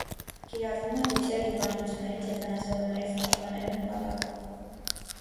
Կիրառվում է բույսերը հիվանդություններից և վնասատուներից պաշտպանելու նպատակով։